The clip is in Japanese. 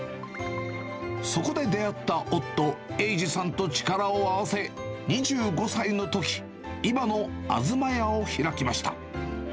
そこで出会った夫、栄司さんと力を合わせ、２５歳のとき、今のあづま家を開きました。